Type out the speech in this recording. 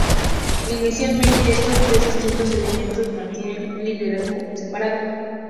Inicialmente estos tres distintos elementos mantenían un liderazgo separado.